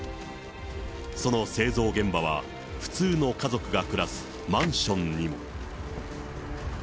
その製造現場は普通の家族が暮らすマンションにも。